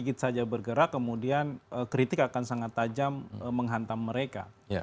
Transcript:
sedikit saja bergerak kemudian kritik akan sangat tajam menghantam mereka